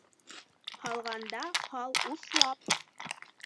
Һалғанда һал услап